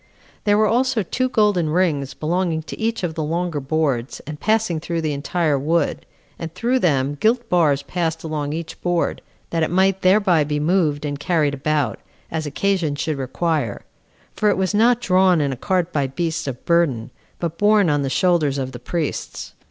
There were also two golden rings belonging to each of the longer boards, and passing through the entire wood, and through them gilt bars passed along each board, that it might thereby be moved and carried about, as occasion should require; for it was not drawn in a cart by beasts of burden, but borne on the shoulders of the priests.